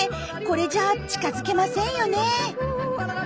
これじゃあ近づけませんよね。